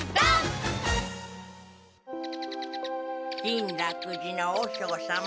金楽寺の和尚様